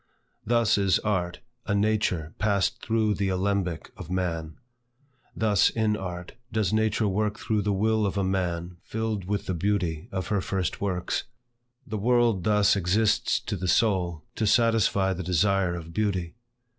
Thus is Art, a nature passed through the alembic of man. Thus in art, does nature work through the will of a man filled with the beauty of her first works. The world thus exists to the soul to satisfy the desire of beauty.